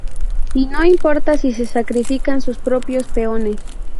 Y no importa si se sacrifican su propios peones.